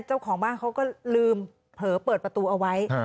เจ้าของบ้านเขาก็ลืมเผลอเปิดประตูเอาไว้